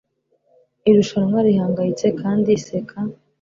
Irushanwa rihangayitse kandi riseka